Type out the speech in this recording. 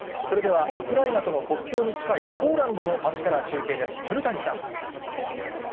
それではウクライナとの国境に近いポーランドの街から中継です。